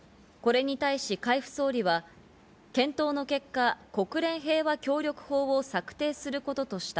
これに対し海部総理は検討の結果、国連平和協力法を策定することとした。